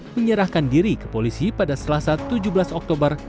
menyerahkan diri ke polisi pada selasa tujuh belas oktober